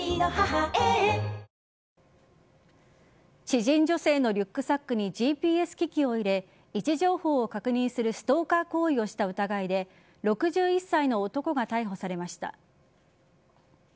知人女性のリュックサックにＧＰＳ機器を入れ位置情報を確認するストーカー行為をした疑いで６１歳の男が逮捕されました。